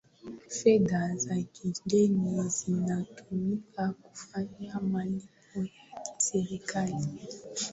fedha za kigeni zinatumika kufanya malipo ya kiserikali